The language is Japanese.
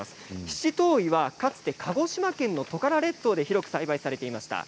七島藺はかつて鹿児島県のトカラ列島で広く栽培されていました。